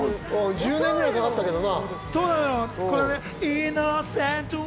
１０年ぐらいかかったけどな。